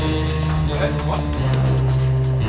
eh saya aja mbak